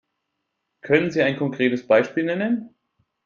Können Sie ein konkretes Beispiel nennen?